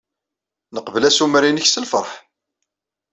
Neqbel assumer-nnek s lfeṛḥ.